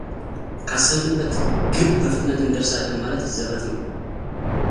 ካሰብንበት ግብ በፍጥነት እንደርሳለን ማለት ዘበት ነው።